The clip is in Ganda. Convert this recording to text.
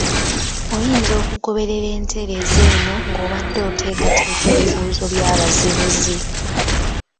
Oyinza okugoberera entereeza eno ng’obadde oteekateeka ebibuuzo by’abazibuzi